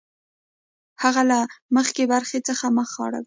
هغه له مخکینۍ برخې څخه مخ اړوي